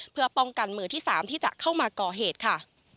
เพื่อป้องกันมือที่๓ที่จะเข้ามาก่อเหตุค่ะ